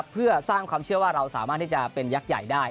เพื่อสร้างความเชื่อว่าเราสามารถที่จะเป็นยักษ์ใหญ่ได้